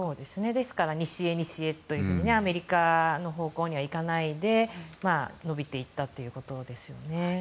ですから西へ西へとアメリカの方向にはいかないで伸びていったというところですよね。